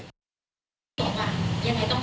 พี่บอกว่ายังไงต้องช่วยแล้วเป็นไงเป็นกัน